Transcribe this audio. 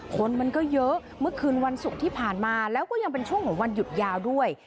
คนมันก็เยอะเมื่อคืนวันศุกร์ที่ผ่านมาแล้วก็ยังเป็นช่วงของวันหยุดยาวด้วย